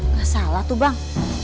nggak salah tuh bang